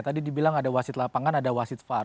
tadi dibilang ada wasit lapangan ada wasit far